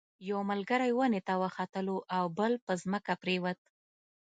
یو ملګری ونې ته وختلو او بل په ځمکه پریوت.